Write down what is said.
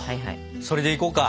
それでいこうか。